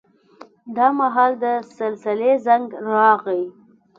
دا مهال د سلسلې زنګ راغی.